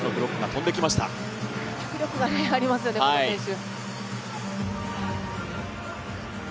脚力がありますよね、この選手。